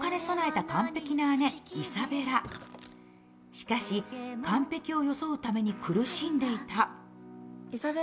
しかし、完璧を装うために苦しんでいた。